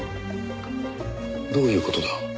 どういう事だ？